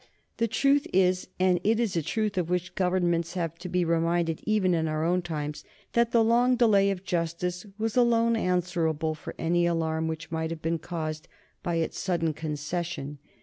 The truth is, and it is a truth of which governments have to be reminded even in our own times, that the long delay of justice was alone answerable for any alarm which might have been caused by its sudden concession.